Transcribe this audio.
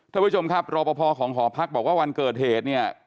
ท่านผู้ชมครับรอปภของหอพักบอกว่าวันเกิดเหตุเนี่ย